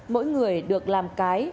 mỗi người được làm cái